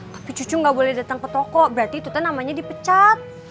tapi cucu gak boleh datang ke toko berarti itu tuh namanya dipecat